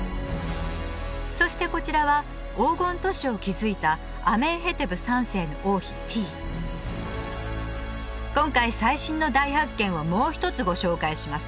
そしてこちらは黄金都市を築いた今回最新の大発見をもう一つご紹介します